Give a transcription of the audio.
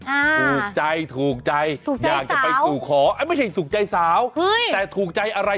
ถูกใจถูกใจถูกอยากจะไปสู่ขอไม่ใช่ถูกใจสาวเฮ้ยแต่ถูกใจอะไร